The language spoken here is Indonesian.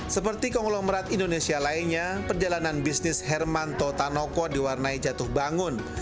seperti konglomerat indonesia lainnya perjalanan bisnis herman totanoko diwarnai jatuh bangun